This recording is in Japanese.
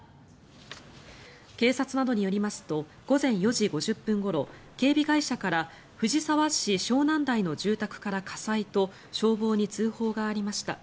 警察などによりますと午前４時５０分ごろ警備会社から藤沢市湘南台の住宅から火災と消防に通報がありました。